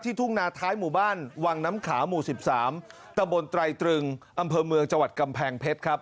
ทุ่งนาท้ายหมู่บ้านวังน้ำขาวหมู่๑๓ตะบนไตรตรึงอำเภอเมืองจังหวัดกำแพงเพชรครับ